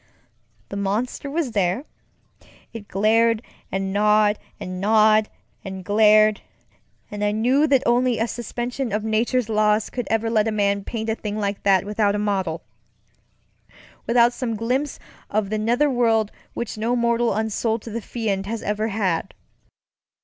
The monster was thereŌĆöit glared and gnawed and gnawed and glaredŌĆöand I knew that only a suspension of nature's laws could ever let a man paint a thing like that without a modelŌĆöwithout some glimpse of the nether world which no mortal unsold to the Fiend has ever had.